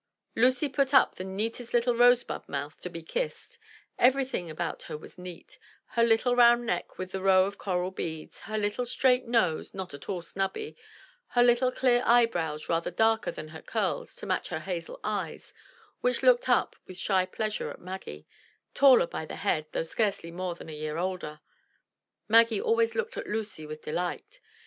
Lucy put up the neatest little rosebud mouth to be kissed; everything about her was neat — ^her little round neck with the row of coral beads; her little straight nose, not at all snubby; her little clear eyebrows rather darker than her curls to match her hazel eyes which looked up with shy pleasure at Maggie, taller by the head, though scarcely more than a year older. Maggie always looked at Lucy with delight.